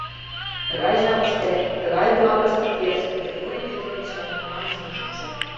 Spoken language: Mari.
Тыгай жапыште тыгай улакыште кияш Григорий Петровичлан намысын чучо.